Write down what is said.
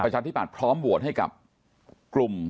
ชาธิบัตย์พร้อมโหวตให้กับกลุ่ม